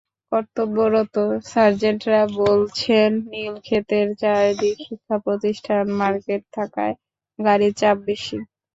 কর্তব্যরত সার্জেন্টরা বলছেন, নীলক্ষেতের চারদিকে শিক্ষাপ্রতিষ্ঠান, মার্কেট থাকায় গাড়ির চাপ বেশি।